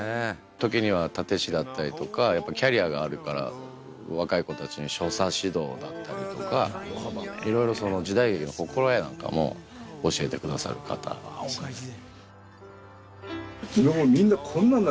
時には殺陣師だったりとかやっぱキャリアがあるから若い子たちに所作指導だったりとかいろいろ時代劇の心得なんかも教えてくださる方なんですね。